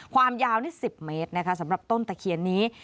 ความยาวนี่๑๐เมตรนะคะสำหรับต้นตะเคียนนี้